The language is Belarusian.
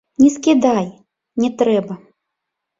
Не скідай, не трэба!